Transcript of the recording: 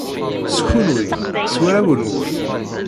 S kunwi, s warraw-nwen!